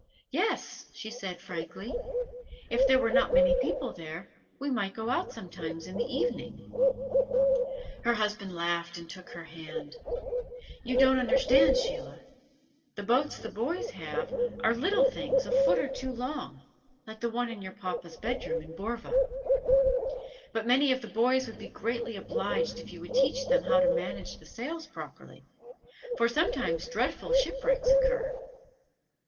"Yes," she said, frankly. "If there were not many people there, we might go out sometimes in the evening " Her husband laughed and took her hand: "You don't understand, Sheila. The boats the boys have are little things a foot or two long like the one in your papa's bedroom in Borva. But many of the boys would be greatly obliged to you if you would teach them how to manage the sails properly, for sometimes dreadful shipwrecks occur."